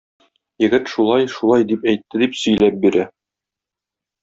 Егет шулай, шулай дип әйтте дип сөйләп бирә.